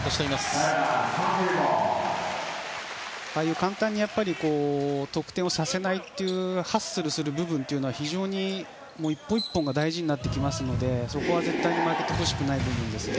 簡単に得点をさせないというハッスルする部分というのは非常に１本１本が大事になってきますのでそこは絶対に負けてほしくない部分ですね。